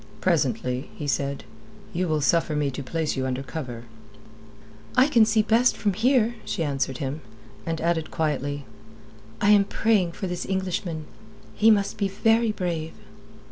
"Presently," he said, "you will suffer me to place you under cover." "I can see best from here," she answered him. And added quietly: "I am praying for this Englishman. He must be very brave."